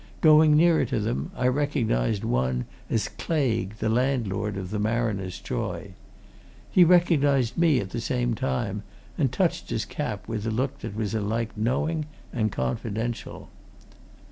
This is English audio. Going nearer to them, I recognized one as Claigue, the landlord of the Mariner's Joy. He recognized me at the same time, and touched his cap with a look that was alike knowing and confidential.